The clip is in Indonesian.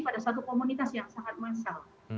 pada satu komunitas yang sangat massal